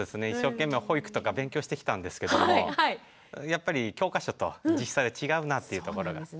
一生懸命保育とか勉強してきたんですけどもやっぱり教科書と実際は違うなというところが。